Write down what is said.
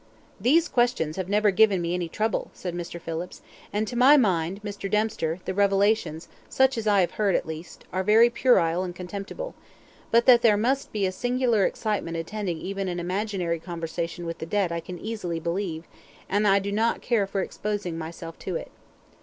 "These questions have never given me any trouble," said Mr. Phillips, "and to my mind, Mr. Dempster, the revelations, such as I have heard at least, are very puerile and contemptible; but that there must be a singular excitement attending even an imaginary conversation with the dead I can easily believe, and I do not care for exposing myself to it."